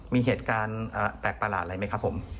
มีเหตุการณ์แปลกประหลาดอะไรไหมครับผม